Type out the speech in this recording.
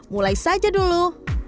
mulai saja dulu